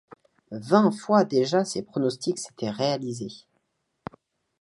Vingt fois déjà ses pronostics s'étaient réalisés.